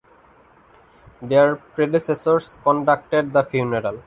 Their predecessors conducted the funeral.